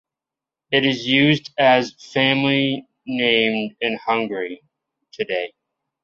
It is used as family name in Hungary today.